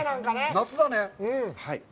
夏だね。